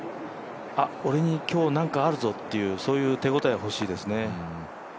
俺に今日なんかあるぞっていう、そういう手応えが欲しいですね。